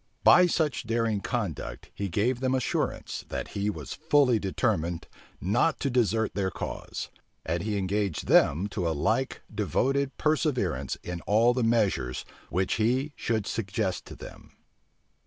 By such daring conduct he gave them assurance, that he was fully determined not to desert their cause; and he engaged them to a like devoted perseverance in all the measures which he should suggest to them.